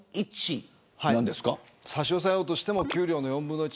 差し押さえようとしても給料の４分の１。